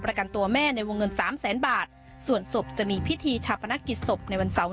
ประกันตัวแม่ในวงเงินสามแสนบาทส่วนศพจะมีพิธีชาปนกิจศพในวันเสาร์